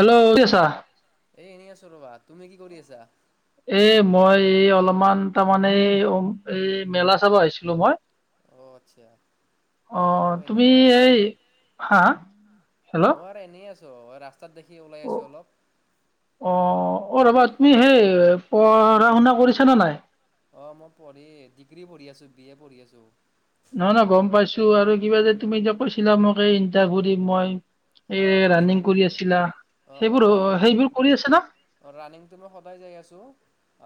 Hello! কি কৰি আছা? এই এনে আছো ৰবা তুমি কি কৰি আছা? এ মই এই অলপমান তাৰমানে এ ওম এই উম, মেলা চাব আহিছিলো মই। অ আচ্ছা এই অহ মই তুমি এনেই আৰু এই হা। হেল্ল' মই আৰু এনেই আছো। ৰাস্তাত দেখি ওলাই আহিছো অ' অলপ। অ'। অ' ৰ'বা তুমি সেই পঢ়া শুনা কৰিছা নে নাই। অ' মই পঢ়ি ডিগ্ৰী পঢ়ি আছো, বি এ পঢ়ি আছো। নহয় নহয় গ'ম পাইছো। আৰু কিবা যে উম তুমি যে কৈছিলা মোক এই ইণ্টাৰভিউ দিম মই। অ এ কৈছিলো ৰাণিং কৰি কৈছিলো আছিলা, অ অ সেইবোৰ হ' ৰানিংটো সেইবোৰ কৰি আছা না। ৰানিংটো মই সদায় যাই আছো।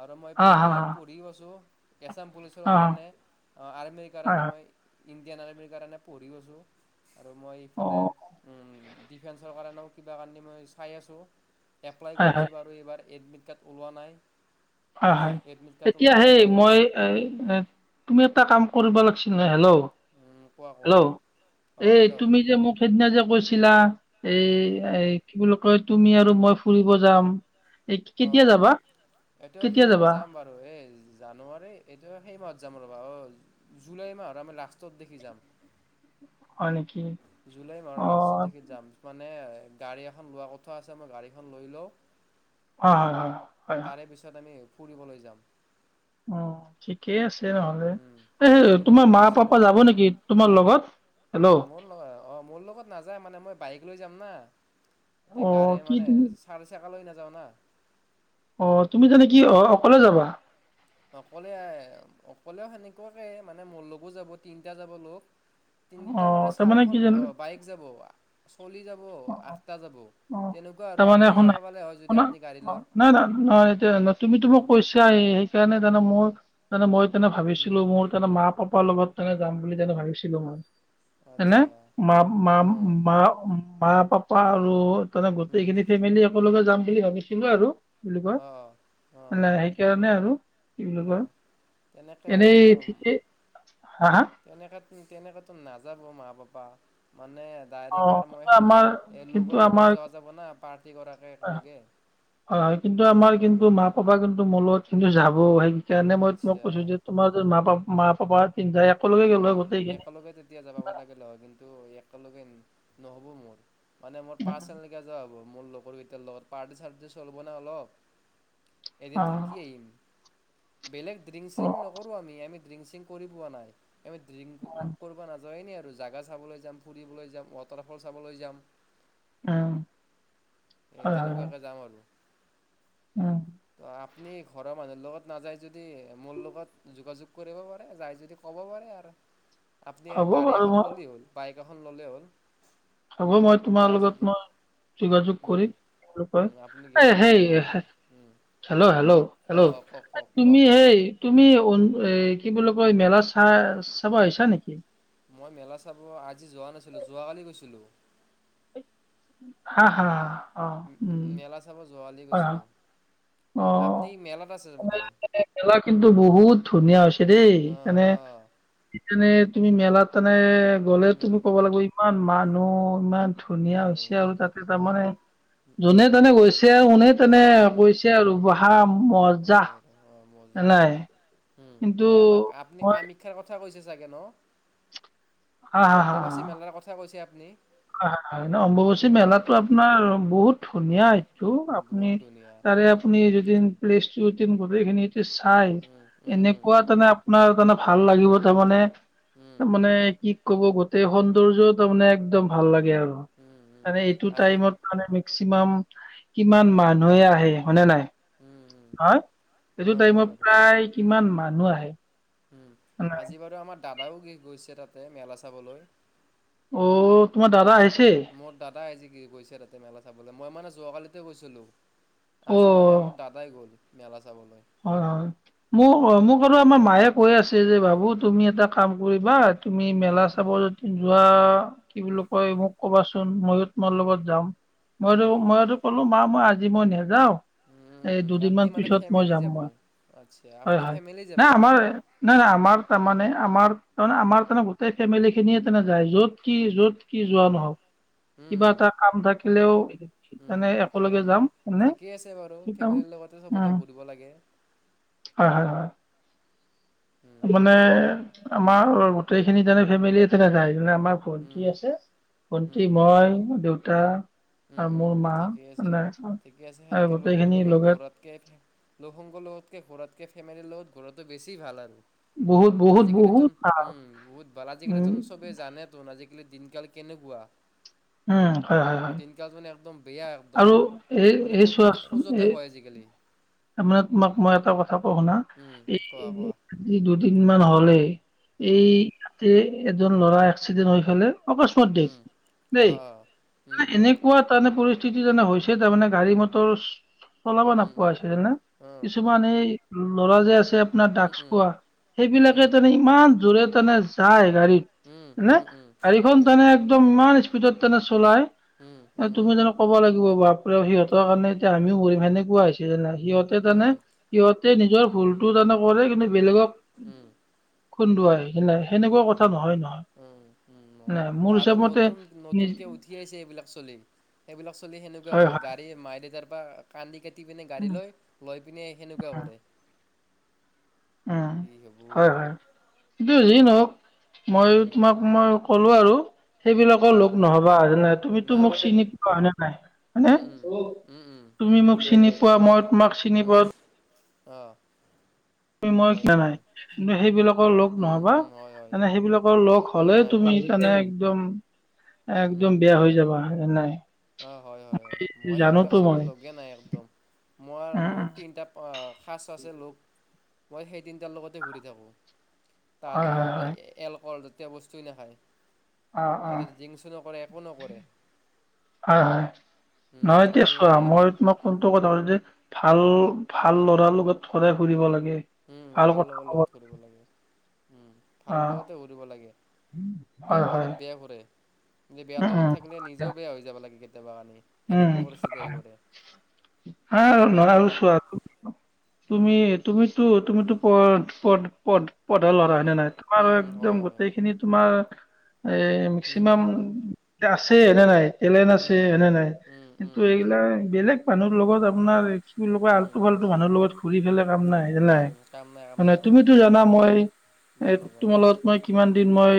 আৰু মই হা ইপিনে হা হা পঢ়িও আছো এছাম পুলিচৰ হা হা কাৰণে, আৰ্মিৰ হয় কাৰণে হয় মই। ইণ্ডিয়ান আৰ্মীৰ কাৰণে পঢ়িও আছোঁ। আৰু মই ইফালে অ' উম। ডিফেন্সৰ কাৰণেও কিবা কানি মই চাই আছোঁ। এপ্লাই হয় হয় কৰিছোঁ বাৰু এইবাৰ। এডমিড কাৰ্ড ওলোৱা নাই। হয় হয়। এডমিট কাৰ্ড এতিয়া ওলালে সেই মই এই এ তুমি এটা কাম। কৰিব লাগিছিল নহয় হেল্ল' কোৱা কোৱা হেল্ল অঁ এই হেল্ল' তুমি যে মোক সেইদিনা যে কৈছিলা। চিলা। এই এ কি বুলি কয়। তুমি আৰু মই ফুৰিব যাম। এই কেতিয়া যাবা। এইটো কেতিয়া ফুৰিব যাবা যাম বাৰু এই জানুৱাৰী এইটো আ সেই মাহত যাম ৰবা অ'। জুলাই মাহৰ আমি লাষ্টৰ দেখি যাম। হয় নেকি জুলাই মাহৰ অ লাষ্ট দেখি যাম। মানে। গাড়ী এখন লোৱা কথা আছে। মই গাড়ীখন লৈ লওঁ। হয় হয় হয়। হয় তাৰে পিছত আমি ফুৰিবলৈ যাম। অ'। ঠিকেই আছে নহলে। উম এ সেই শ্বিলং তোমাৰ মা পাপা শ্বিলং যাব যাম নেকি তোমাৰ লগত। হেল্ল' মোৰ লগত অ' মোৰ লগত নাযায় মানে মই বাইক লৈ যাম না। এতিয়া অ গাড়ী কি মানে, তুমি চাৰি চকা লৈ নাযাওঁ না। অ' তুমি জানো কি অ অকলে যাবা। অকলে অকলেও সেনেকুৱাকে মানে, মোৰ লগো যাব। তিনিটা যাব লগ। অ তিনিটা মানে তাৰমানে কি চাৰিখন জান ওম বাইক যাব। চলি যাব। অ অ আঠটা যাব। অ, তেনেকুৱা আৰু তাৰমানে আপুনিও শুনা যাব পালে হয়। যদি আপুনি গাড়ী লয়। তুমিতো উম, মোক কৈছায়েই। সেইকাৰণে তাৰমানে মোৰ মানে মই তেনে ভাবিছিলো মোৰ তেনে মা পাপ। পাৰ লগত তেনে যাম বুলি তেনে ভাবিছিলো মই। উম, তেনে আচ্ছা অঁ মা-মা-মা। মা পাপা আৰু তাৰে গোটেই উম। খিনি ফেমিলি একেলগে যাম বুলি ভাবিছিলো আৰু। বুলি কয়। অ', অ', মানে সেইকাৰণে আৰু। কি বুলি কয় অ' তেনেকে এনেই উম ঠিকেই হা হা তেনেকে। উম তেনেকেতো নাযাব মা পাপা। মানে অ ডাইৰেক্ট আৰু কিন্তু মই সেই আমাৰ এই কিন্তু লগৰ লগত আমাৰ যোৱা যাব না। পাৰ্টি কৰাকৈ একেলগে। হয় হয় কিন্তু আমাৰ উম, কিন্তু মা পাপা কিন্তু মোৰ লগত। কিন্তু যাব সেই কাৰণে মই তোমাক আচ্ছা কৈছো যে তোমাৰ মা পাপ মা পাপা। তিনিটাই একেলগে গ'লো উম হয় গোটেইখিনি একেলগে তেতিয়া যাব লাগিল হয় কিন্তু একেলগে নহ'ব মোৰ। মানে মোৰ পাৰ্চনেলকে যোৱা হ'ব। মোৰ লগৰ কেইটাৰ লগত পাৰ্টি চাৰ্টি চলিব না অলপ। অ এদিন থাকি আহিম। বেলেগ ড্ৰিং অ চিং নকৰোঁ আমি আমি ড্ৰিংক চিং কৰি পোৱা নাই আমি ড্ৰিং উম কৰিব না। নে আৰু জাগা চাবলৈ যাম ফুৰিবলৈ যাম ৱাটাৰফল চাবলৈ যাম। অহ। এ তেনেকুৱাকে যাম আৰু। উম। ত আপুনি ঘৰৰ মানুহৰ লগত নাযায় যদি মোৰ লগত যোগাযোগ কৰিব পাৰে যাই যদি। কব পাৰে আৰু আপুনি হ'ব গাড়ী বাৰু এখন মই ল'লে হ'ল বাইক এখন ল'লে হ'ল। হ'ব মই তোমাৰ যায় যদি লগত মই। যোগাযোগ উম, কৰিম। উম, আপুনি এ গেলে ক'লেই সেই হ'ল মোক হেল্ল' হেল্ল' হেল্ল' অঁ অঁ কওক কওক কওক তুমি সেই তুমি এই কি বুলি কয় মেলা চা চাবা আইছা নেকি? মই মেলা চাব আজি যোৱা নাছিলো। যোৱাকালি গৈছিলো। হা হা অ উম। ছোৱালী হয় হয় গৈছিলো অ আপুনি মেলাত আছে যাব তয়। মেলা কিন্তু বহুত ধুনীয়া হৈছে দেই অ', মানে। অ'। মে তুমি মেলাত তেনে গ'লে উম। তুমি ক'ব লাগিব ইমান মানুহ ইমান। ধুনীয়া মানুহ হৈছে আৰু তাতে অ'। তাৰমানে উম, উম। যোনে তেনে গৈছে আৰু কোনে তেনে অ', কৈছে। বা। ম অ মজা উম কিন্তু এ আমাক আপুনি মই কামাখ্যাৰ কথা। কথা কৈছে চাগে ন অম্বুবাচী মেলাৰ কথা কৈছে আপুনি? হয়, হয়, হয় অম্ববুচী অ'। মেলাতো আপোনাৰ বহুত। ধুনীয়া উম। এইটো আপুনি বহুত ধুনীয়া। তাৰে আপুনি উম, যদিন প্লেচটোদ গোটেইখিনিত। চাই উম, উম, উম, এনেকুৱা তানে আপোনাৰ তানে ভাল লাগিব তাৰমানে। উম, তাৰ মানে কি ক'ব গোটেই সৌন্দৰ্যও তাৰ মানে একদম ভাল লাগে। উম, উম। মানে এইটো আজি টাইমত মানে মেক্সিমাম কিমান উম, মানুহে আহে হয়নে নাই। উম, উম। হয়। এইটো অ', হয় টাইমত বাৰু। প্ৰায় কিমান মানুহ আহে উম হয় নাই আজি বাৰু আমাৰ দাদাও গৈছে তাতে মেলা চাবলৈ অ' তোমাৰ দাদা আহিছে। মোৰ দাদাই আজি কি গৈছে তাতে মেলা চাবলৈ মই মানে যোৱাকালিতে গৈছিলো। অ' আজি মানে মোৰ দাদাই গ'ল মেলা। চাবলৈ। হয়, হয়। মোৰ মোক [unintelligible] আমাৰ মায়ে কৈ আছে যে বাবু তুমি এটা কাম কৰিবা তুমি মেলা হুম চাব যদি যোৱা কি বুলি কয়, মোক কবাচোন ময়ো তোমাৰ লগত যাম। ময়তো হুম ময়তো ক'লো মা মই আজি মই নেযাও হুম এই আপনি দুদিনমান মানে পিছত মই ফ্যামিলি যাম। যাব আচ্ছা হয়, আপনি হয়। ফ্যামিলি যাব নাই আমাৰ নাই নাই আমাৰ তাৰমানে। আমাৰ তাৰমানে আমাৰ তেনে গোটেই ফেমিলি খিনিয়ে তেনে যায়। যত কি য'ত কি উম যোৱা নহওঁক। কিবা উম এটা কাম থাকিলেও উম মানে একেলগে ফেমিলি যাম এনে ঠিকেই আছে বাৰু কি কাম। ফেমিলিৰ লগতে চবতে ঘূৰিব লাগে। হয়, হয়, হয়। উম মানে আমাৰ গোটেই খিনি তেনে ফেমিলি তেনে যায়। যেনে আমাৰ উম ভন্টি আছে উম ভন্টি মই দেউতা উম আৰু মোৰ। উম মা ঠিকেই আছে নাই। ঠিকে আছে। সেনকে লৌগ সংগৰ লগত ঘৰাতকে, লৌগ সংগৰ লগতকে ঘৰাতকে, ফেমিলিৰ লগত ঘূৰাটো বেছি ভাল। বহুত বহুত আজিকালিতো বহুত উম বহুত ভাল আজিকালি উম তন চবেই জানেতন আজি। দিনকাল কেনেকুৱা। উম। হয় হয় হয় দিন কাল একদম। বেয়া একদম আৰু এই মানে এই প্ৰতিটো চোৱাচোন, খোজতে এই ভয় আজিকালি তাৰ মানে তোমাক মই এটা কথা। কথা শুনা উম, এই কোৱা কোৱা আজি দুদিন মান হ'লে এই উম, ৰা। এজন ল'ৰা এক্সিডেণ্ট হৈ ফেললে অকস্মাত দেৰটঠ। উম, দেই অ', অ', মানে উম, এনেকুৱা তাৰমানে পৰিস্থি। পৰিস্থিতি যেনে হৈছে তাৰ মানে গাড়ী মটৰ চলাব উম, নোপোৱা উম, হৈছে যেনে অ', কিছুমান এই ল'ৰা যে আ, আছে, আপোনাৰ উম, ডাগচ উম, খোৱা উম, সেইবিলাকে উম, তান ইমান জোৰে। তেনে যায় উম, গাড়ীত নে উম, গাড়ীখন উম, তানে একদম ইমান স্পীডত তোনে চলাই। উম, এ উম, তুমি উম। জানো ক'ব লাগিব, বাপ সিহঁতৰ কাৰণে এতি আমিও মৰিম সেনেকুৱা হৈছে যে নাই। সিহতে তানে উম, সিহতে নিজৰ ভুলতটো তানে কৰে কিন্তু বেলেগক উম, উম, খুন্দুৱাই নাই সেনেকুৱা কথা নহয় - নহয়। উম - উম নাই মোৰ তাহাতে হিচাপ মতে নতুন- নিজ নতুনকে উঠি আহছে এইবিলাক চলি। সেইবিলাক চলি সেনেকুৱা হয় কৰে হয় গাড়ী মায়ে দেউতাৰ পৰা কানদি কাটি। পিনে গাড়ী উম লৈ লৈ পিনে সেনেকুৱা উম কৰে। উম, কি হ'ব হয় - হয় কি যি নহওক। মই উম, তোমাক মই ক'লো আৰু। সেইবিলাকৰ উম, লগ নহবা হয় নাই তুমিতো মোক নাই নাই চিনি পোৱা হয়নে নাই উম, উম, হয়ানে উম, উম, তুমি মোক চিনি পোৱা মই তোমাক চিনি উম, পাও। অ', য় হয় কি নাই হয়। কিন্তু সেইবিলাকৰ লগ উম, নহবা উম, হয়, হয়। [unintelligible] মানে সেইবিলাকৰ লগ উম, হ'লে নাই, নাই, তুমি নাই। তানে একদম উম, উম, একদম বেয়া হৈ যাবা। হয় নাই। অ, হয়- হয়- হয় মই সেইবিলাক জানোতো আচলতে মই লগে নাই একদম। মই উম মোৰ উম তিনিটা সাজ আছে লোক মই সেই তিনটাৰ লগতে ঘুৰি থাকো হয় হয় তাহতৰ হয় এলকহল তে বস্তুৱ নাখায় অ অ তাতে জিংকচো নকৰে একো নকৰে। হয় - হয় উম, নহয় এতিয়া আমি চোৱা এনে মই তোমাক কোনটো কথাদি ভাল - ভাল ল'ৰাৰ লগত সৰাই ফুৰিব লাগে। উম, ভাল কথা লগ'বৰ কব লগত ধৰিব লাগে। উম, অ ভাল লগতে ঘৰিব লাগে হয় বেয়াৰ হয় লগত বেয়া ঘুৰে। যে বয়াৰ উম লগত উম থাকিলে নিজেও বেয়া হৈ যাব লাগে। উম সেনেকুৱা পৰিস্থিতি আহি পৰে আৰু নহয় আৰু সেইকাৰণে। চোৱা তুমি তুমিতো তুমিতো পদ পদ পদ পধ লৰা উম, হয়নে নহয় তোমাৰ উম, উম, একদম হয়, হয়, হয়। গোটেইখিনি তোমাৰ এ উম। মেক্সিমাম আছে হেনে নাই টেলেণ্ট আছে হেনে নাই কিন্তু এইগিলাক বেলেগ মানুহৰ লগত আপোনাৰ কি বুলি কয় আলটু ফালটু মানুহৰ লগত ঘূৰি ফেলে কাম নাই জালাই নাই মানে নাই কাম তুমিতো নাই জানা মই এ জানো জানো তোমাৰ লগত মই কিমান দিন মই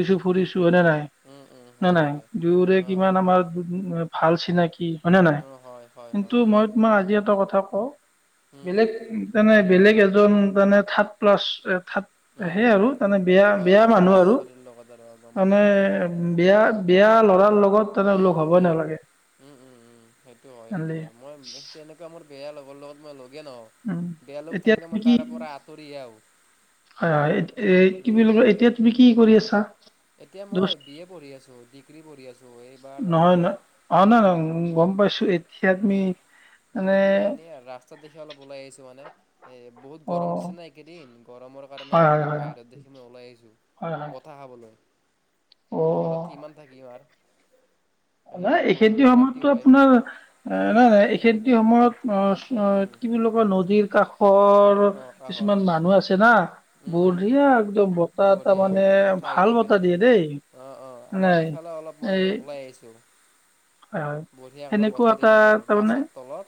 উম ফুৰিছো হয়নে নাই? উম উম নাই হয় নাই হয় দুয়োৰে অঁ কিমান আমাৰ [unintelligible] ভাল চিনাকি হয়নে নাই অঁ হয় হয় কিন্তু হয় মই তোমাক আজি এটা কথা কওঁ উম বেলেগ তানাই বেলেগ এজন মানে থাৰ্ড প্লাছ থাত উম সে আৰু তানে বেয়া অঁ বেয়া থাৰ্ড মানুহ ক্লাছ আৰু ছোৱালীৰ লগত আৰু অঁ, গম মানে পাইছোঁ বাৰু বেয়া বিয়া ল'ৰাৰ লগ লগত তানে উম হ'ব উম নালাগে উম উম উম সেইটো হয় সেইটো জানলি হয় মই তেনেকুৱা মোৰ বেয়া ল লগত মই লগে ন উম বেয়া লগ এতিয়া থাকিলে তুমি মই কি তাৰ পৰা আঁতৰি আহেও [inaudible] হয় হয়, এ' তুমি লগ এতিয়া তুমি কি কৰি আছা? এতিয়া মই দোষ বি এ পঢ়ি আছো ডিগ্ৰী পঢ়ি আছো। নহয় নহয়, অ' নাই ন গম পাইছো' খয়াদমি উম, মানে এতিয়া [inaudible] এনেই ৰাস্তাত দেখি অলপ ওলাই আহিছো মানে। এ' বহুত অ গৰম দিছে না এইকেইদিন গৰমৰ কাৰণে হয় মানে অলপ হয় হয় বাহিৰত দেখি মই ওলাই আহিছো। হয় হয় বতাহ খাবলৈ ঘৰত হয় অ কিমান থাকিম আৰু। নাই এইখেতিৰ ৰাতি সময়তো হয় আপোনাৰ নাই উম ন এই খেতি সময়ত [inaudible] অ' উম কি বুলি কয় নদীৰ কাষৰ অঁ কাষত কিছুমান মানুহ আছে না [inaudible] উম উম বঢ়িয়া একদম বতাহ এ তাৰ বঢ়িয়া মানে ভাল বতাহ দিয়ে দেই। অ' অ' আমাৰ নাই ইফালে অলপ মই এই ওলাই আহিছো। হয় হয় বঢিয়া একদম সেনেকুৱা বঠা দি এটা থাকে তাৰমানে গাছৰ তলত।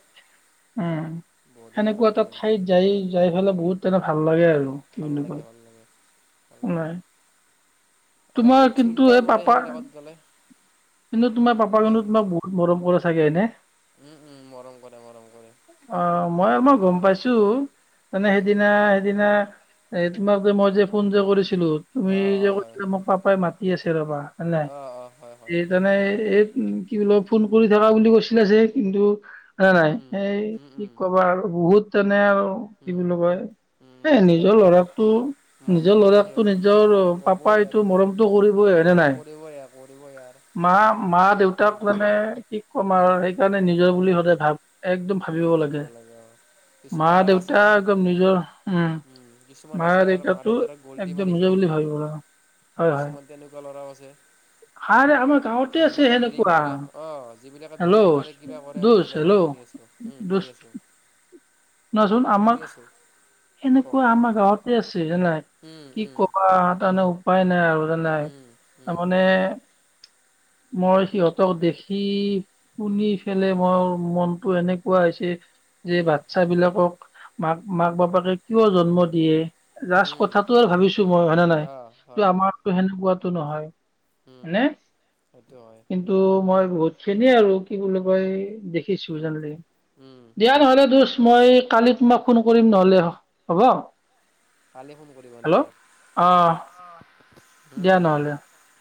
উম বঢ়িয়া সেনেকুৱা এটা একদম ঠাইত যাই- যাই ফেলাই বহুত তেনে ভাল লাগে উম আৰু কি ভাল বুলি লাগে কয় ভাল লাগে ভাল লাগে নাই আৰু তোমাৰ বহুত কিন্তু চিন্তাও এই মৰে পাপা সেইবিলাকত গ'লে কিন্তু তোমাৰ পাপা সেই কিন্তু তোমাক বহুত মৰম কৰা চাগে এনে! উম, উম, মৰম কৰে। মৰম কৰে, অ, মই মই মৰম গম কৰে। পাইছো, মানে উম, উম, সেইদিনা- সেইদিনা এ, তোমাক যে মই যে ফোন যে কৰিছিলো, তুমি অ', যে হয়, হয়, কৈছিলা মোক পাপাই মাতি আছে ৰ'বা অ', অ', হয়, হয়, [unintelligible] কি বোল ফোন কৰি থকা বুলি কৈছিলে যে, কিন্তু নাই, উম, নাই, উম, এই উম, কি উম, কবা আৰু, বহুত তেনে আৰু, কি উম, বুলি কয়? উম, এ, মাতি নিজৰ থাকে, ল'ৰাটো নিজৰ মাতিবই আৰু ল'ৰাকটো, নিজৰ ক'বই পাপাইটো আৰু মৰমটো কৰিবই হয় নে মৰম নাই! কৰিবই আৰু কৰিবই আৰু মা, উম, মা-দেউতাক মানে কি ক'ম আৰু, উম, সেইকাৰণে নিজৰ বুলি সদায় ভাব একদম উম, ভাবিব লাগে। অ'। কিছুমান আৰু আছে মা-দেউতা না, একদম নিজৰ উম, কিছুমান আছে আৰু মা মা-দেউতাটো দেউতাৰক গল্টি মাৰি একদম নিজৰ খেদি বুলি দিয়ে। ভাবিব হয় হয় কিছুমান যে এনেকুৱা ল'ৰাও আছে সাৰে আমাৰ গাঁৱতে আছে যিবিলাকে ড্ৰিংক সেনেকুৱা কৰে, অ, যিবিলাকে হেল্ল' ড্ৰিংক কৰে, কিবা কৰে, হেল্ল'! শুনি আছো, উম, দোষ শুনি আছো। শুনাচোন, আমাৰ কওক, এনেকুৱা কওক, আমাৰ গাঁৱতে আছে জানা! উম, কি উম। ক'বা, তাৰমানে উপায় নাই আৰু [unintelligible] নাই, উম, উম, তাৰমানে মই সিহঁতক দেখি-শুনি পেলাই, উম, মই মন টো এনেকুৱা হৈছে উম চ বিলাকক মাক মাক বাপাকে কিয় জন্ম দিয়ে লষ্ট উম, কথাতটো আৰু ভাবিছো মই হয়নে নাই অ', ত হয়, হয়, আমাৰতো সেনেকুৱাতো নহয়। উম, হয়নে সেইটো হয়, কিন্তু মই বহুতখিনিয় আৰু কি বুলি কয় দেখিছো উম, জান লে উম, দিয়া নহলে দু মই কালি তোমাক ফোন কৰিম নহ'লে হ'ব। কালি ফোন কৰিবা হেল্ল' নেকি? অ হুম, দিয়া নহলে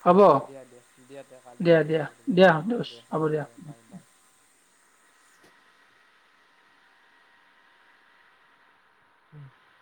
হ'ব। অ', দিয়া, দিয়া, দিয়া তে কালি দিয়া হ'লে ফোন দিয়া কৰি দিয় দিয়া - দোষ দিয় হ'ব - দিয়া বাই - বাই। উম,